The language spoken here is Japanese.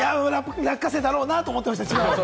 落花生だろうなと思って見てました。